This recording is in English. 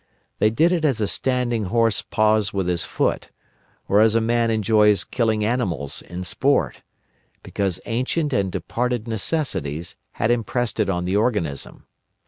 They did it as a standing horse paws with his foot, or as a man enjoys killing animals in sport: because ancient and departed necessities had impressed it on the organism.